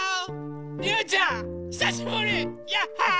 りゅうちゃんひさしぶり！ヤッホー！